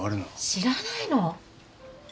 知らない。